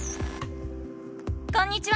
こんにちは！